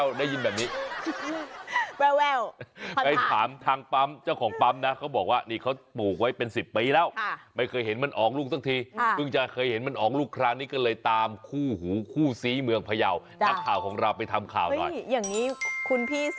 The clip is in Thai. วังมิขุมเจ้าของปั๊มนะเขาบอกว่านี่เขาปูไว้เป็น๑๐ปีแล้วไม่เคยเห็นมันอองลูกตั้งทีพึ่งจะเคยเห็นมันอองลูกคราวนี้ก็เลยตามคู่หูคู่ซี้เมืองพระเยาะแบบขาวของเราไปทำข่าวอย่างนี้คุณพี่๒